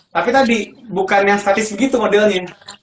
tapi tadi bukan yang statis begitu modelnya